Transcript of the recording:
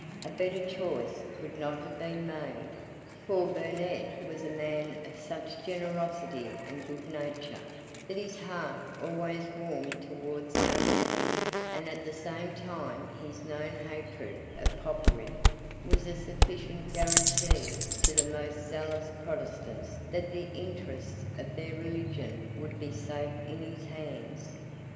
A better choice could not have been made; for Burnet was a man of such generosity and good nature, that his heart always warmed towards the unhappy; and at the same time his known hatred of Popery was a sufficient guarantee to the most zealous Protestants that the interests of their religion would be safe in his hands.